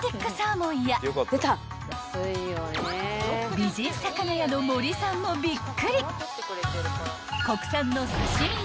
［美人魚屋の森さんもびっくり］